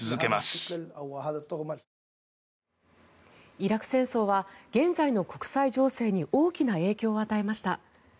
イラク戦争は現在の国際情勢に大きな影響を与えました。